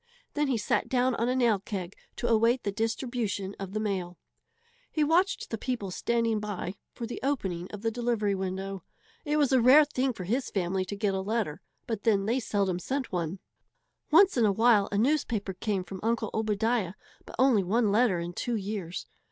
Then he sat down on a nail keg to await the distribution of the mail. He watched the people standing by for the opening of the delivery window. It was a rare thing for his family to get a letter, but then they seldom sent one. Once in a while a newspaper came from Uncle Obadiah, but only one letter in two years.